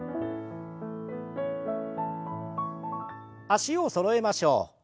脚をそろえましょう。